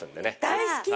大好き！